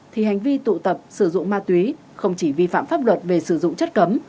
thì hành vi tụ tập sử dụng ma túy không chỉ vi phạm pháp luật về sử dụng chất cấm